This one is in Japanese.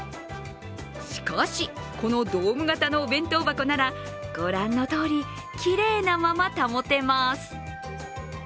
しかし、このドーム型のお弁当箱なら、ご覧のとおりきれいなまま保てます。